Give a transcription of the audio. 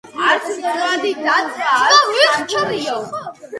არც მწვადი დაწვა, არც შამფურიო.